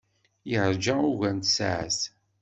Yeṛja ugar n tsaɛet.